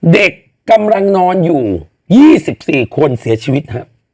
เด็กกำลังนอนอยู่๒๔คนเสียชีวิตครับ